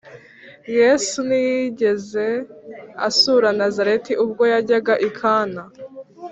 Yesu ntiyigeze asura Nazareti ubwo yajyaga i Kana